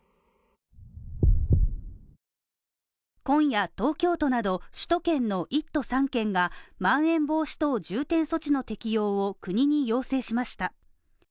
今夜、東京都など首都圏の１都３県がまん延防止等重点措置の適用を国に要請しました。